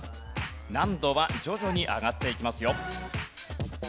難度は徐々に上がっていきますよ。